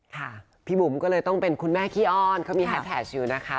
ค่ะพี่บุ๋มก็เลยต้องเป็นคุณแม่ขี้อ้อนเขามีแฮสแท็กอยู่นะคะ